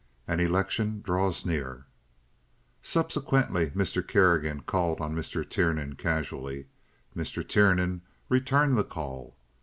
An Election Draws Near Subsequently Mr. Kerrigan called on Mr. Tiernan casually. Mr. Tiernan returned the call.